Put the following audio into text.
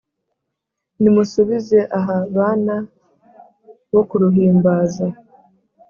nimusubize aha bana bo ku ruhimbaza